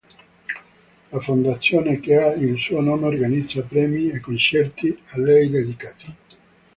La fondazione che ha il suo nome organizza premi e concerti a lei dedicati.